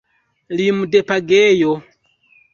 Limdepagejo!